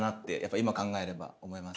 今考えれば思います。